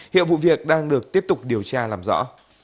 hiện vụ việc đang được tiếp tục điều tra làm rõ